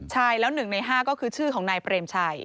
ใช่แล้ว๑ใน๕ก็คือชื่อของนายเปรมชัย